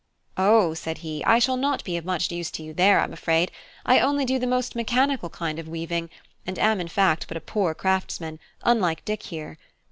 "Oh," said he, "I shall not be of much use to you there, I'm afraid. I only do the most mechanical kind of weaving, and am in fact but a poor craftsman, unlike Dick here.